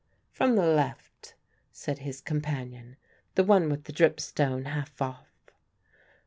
"From the left," said his companion, "the one with the dripstone half off."